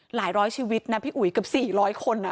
หลายร้อยชีวิตนะพี่อุ๋ยกับ๔๐๐คน